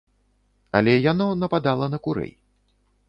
Але яно нападала на курэй.